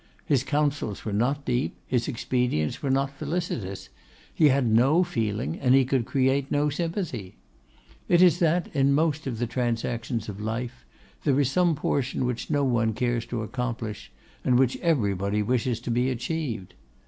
His counsels were not deep, his expedients were not felicitous; he had no feeling, and he could create no sympathy. It is that, in most of the transactions of life, there is some portion which no one cares to accomplish, and which everybody wishes to be achieved.